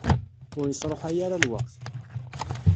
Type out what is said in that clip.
Ur isṛuḥay ara lweqt.